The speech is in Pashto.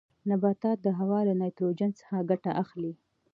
نباتات د هوا له نایتروجن څخه ګټه اخلي.